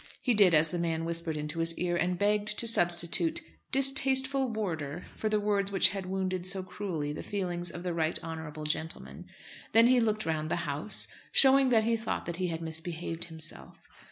He did as the man whispered into his ear, and begged to substitute "distasteful warder" for the words which had wounded so cruelly the feelings of the right honourable gentleman. Then he looked round the House, showing that he thought that he had misbehaved himself.